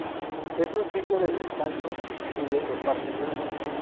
Es un sitio de descanso y de esparcimiento.